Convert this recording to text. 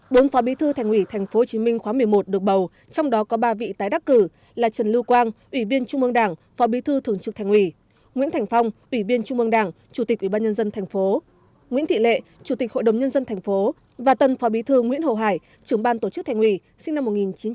bốn phó bí thư thành ủy tp hcm khóa một mươi một được bầu trong đó có ba vị tái đắc cử là trần lưu quang ủy viên trung mương đảng phó bí thư thường trực thành ủy nguyễn thành phong ủy viên trung mương đảng chủ tịch ủy ban nhân dân tp nguyễn thị lệ chủ tịch hội đồng nhân dân tp và tân phó bí thư nguyễn hồ hải trưởng ban tổ chức thành ủy sinh năm một nghìn chín trăm tám mươi